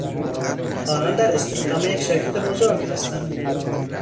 آنان در استخدام یک شرکت بزرگ هستند.